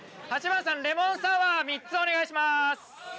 ８番さんレモンサワー３つお願いします